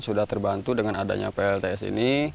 sudah terbantu dengan adanya plts ini